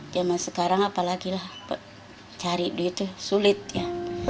zaman sekarang apalagi lah cari duit itu sulit ya